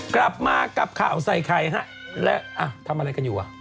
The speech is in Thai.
กลับมากับข่าวใส่ไข่ฮะและทำอะไรกันอยู่อ่ะ